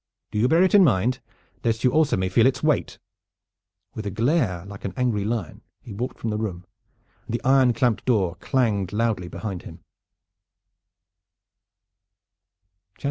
Do you bear it in mind, lest you also may feel its weight!" With a glare like an angry lion he walked from the room, and the iron clamped door clanged loudly behind him.